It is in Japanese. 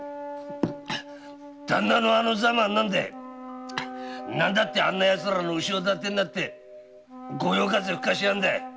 旦那のあの様は何だい！何だってあんな奴らの後ろ盾になって御用風吹かしやがんだい！